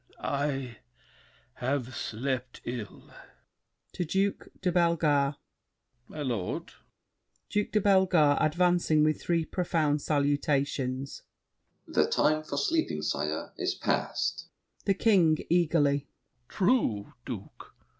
I have slept ill! [To Duke de Bellegarde. My lord! DUKE DE BELLEGARDE (advancing with three profound salutations). The time for sleeping, sire, is past. THE KING (eagerly). True, Duke!